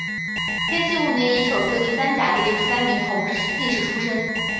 天启五年乙丑科第三甲第六十三名同进士出身。